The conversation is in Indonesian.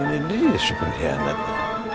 ini dia si pengkhianatnya